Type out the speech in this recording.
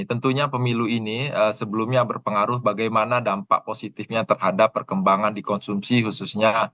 tentunya pemilu ini sebelumnya berpengaruh bagaimana dampak positifnya terhadap perkembangan di konsumsi khususnya